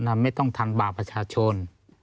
ไม่ต้องทำบาปประชาชน